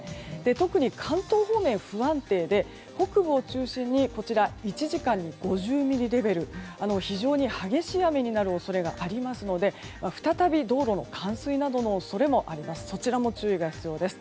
特に関東方面、不安定で北部を中心にこちら、１時間に５０ミリレベル非常に激しい雨になる恐れがありますので再び道路の冠水などの恐れもありますのでそちらも注意が必要です。